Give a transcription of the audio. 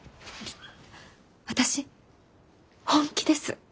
私本気です。